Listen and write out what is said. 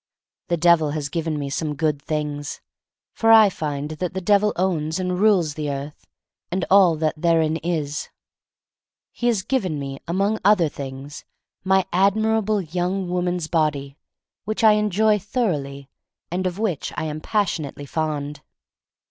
The Devil has given me some good things — for I fine ^ that the Devil owns and rules the earth and all that therein is. He has given me, among other things — my adminble young woman' s body, which I enjo ^ thoroughly and of which I am passiom tely fond.